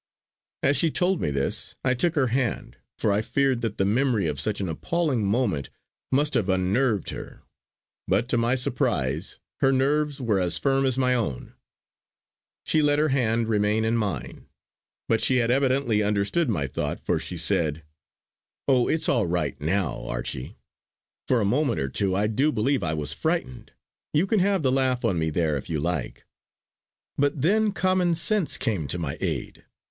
As she told me this, I took her hand for I feared that the memory of such an appalling moment must have unnerved her; but to my surprise her nerves were as firm as my own. She let her hand remain in mine; but she had evidently understood my thought for she said: "Oh! it's all right now, Archie. For a moment or two I do believe I was frightened. You can have the laugh on me there if you like! But then common sense came to my aid.